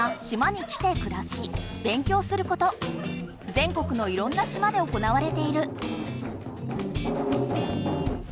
ぜん国のいろんな島で行われている。